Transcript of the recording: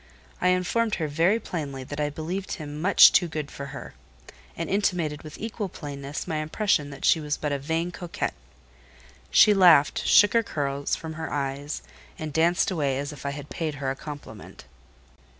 I informed her very plainly that I believed him much too good for her, and intimated with equal plainness my impression that she was but a vain coquette. She laughed, shook her curls from her eyes, and danced away as if I had paid her a compliment.